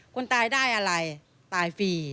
คนตายได้อะไรตายฟรี